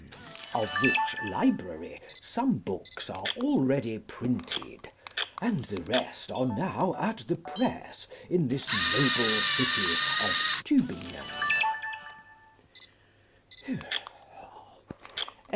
Of which library some books are already printed, and the rest are now at the press in this noble city of Tubingen.